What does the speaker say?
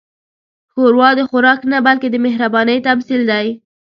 ښوروا د خوراک نه، بلکې د مهربانۍ تمثیل دی.